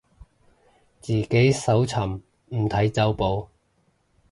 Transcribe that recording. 自己搜尋，唔睇走寶